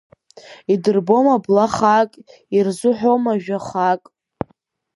Идырбома бла хаак, ирызҳәома жәа хаак!